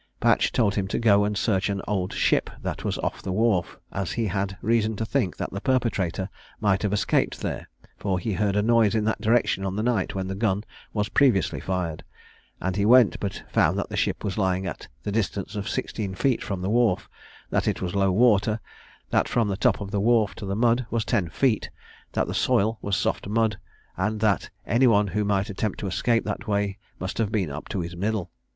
Patch told him to go and search an old ship that was off the wharf, as he had reason to think that the perpetrator might have escaped there; for he heard a noise in that direction on the night when the gun was previously fired; and he went, but found that the ship was lying at the distance of sixteen feet from the wharf; that it was low water: that from the top of the wharf to the mud was ten feet; that the soil was soft mud, and that any one who might attempt to escape that way must have been up to his middle.